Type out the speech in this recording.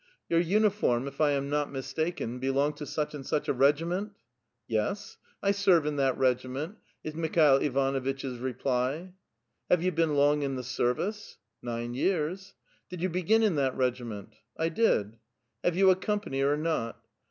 " Your uniform, if I am not mistaken, belong to such and Buch a regiment?" '* Yes, I serve in that regiment," is Mikhail Ivanuitch's reply. *' Have you been long in the service?" *'Nine years." *' Did you begin in that regiment?" *' I did." " Have you a company or not?"